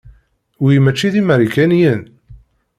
Wi mačči d imarikaniyen?